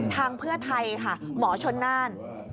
เพื่อไทยค่ะหมอชนน่าน